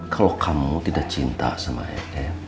kalau kamu tidak cinta sama sn